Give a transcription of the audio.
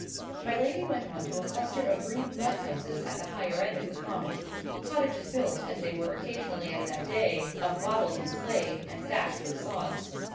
My lady went on to a cluster of rude mud houses at the higher end of the Common; cottages built, as they were occasionally at that day, of wattles and clay, and thatched with sods.